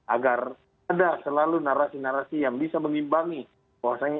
agar ada selalu narasi narasi yang bisa mengimbangi bahwasannya